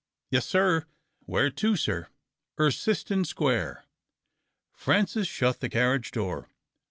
" Yes, sir. Where to, sir ?"" Erciston Square." Francis shut the carriage door.